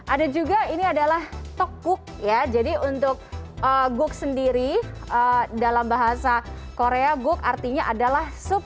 ada juga ini adalah tokguk ya jadi untuk guk sendiri dalam bahasa korea goog artinya adalah sup